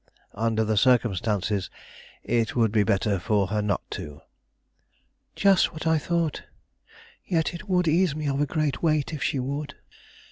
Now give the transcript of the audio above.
"Under the circumstances it would be better for her not to." "Just what I thought; yet it would ease me of a great weight if she would.